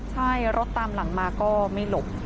ใช่รถตามหลังมาก็ไม่หลบ